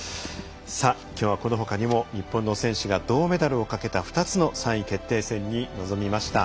きょうはこのほかにも日本の選手が銅メダルをかけた２つの３位決定戦に臨みました。